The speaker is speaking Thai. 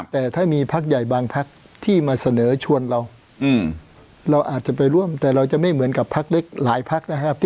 แต่ถ้ามีพักใหญ่บางพักที่มาเสนอชวนเราเราอาจจะไปร่วมแต่เราจะไม่เหมือนกับพักเล็กหลายพักนะครับ